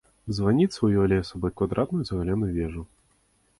Званіца ўяўляе сабой квадратную цагляную вежу.